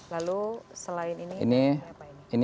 lalu selain ini apa ini